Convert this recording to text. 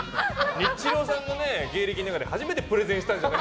ニッチローさん芸歴の中で初めてプレゼンしたんじゃない。